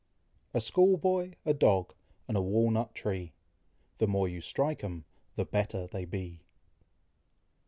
A school boy, a dog, and a walnut tree, The more you strike 'em, the better they be.